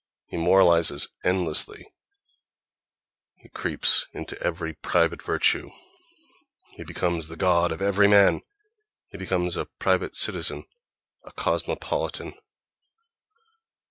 He moralizes endlessly; he creeps into every private virtue; he becomes the god of every man; he becomes a private citizen, a cosmopolitan....